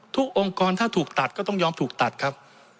องค์กรถ้าถูกตัดก็ต้องยอมถูกตัดครับ